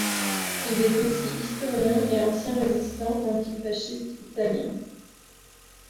Il est aussi historien et ancien résistant antifasciste italien.